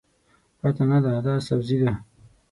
پته نه ده، دا سبزي ده.